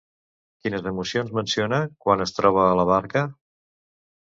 Quines emocions menciona quan es troba a la barca?